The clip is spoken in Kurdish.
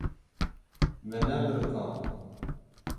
Me nebiriqand.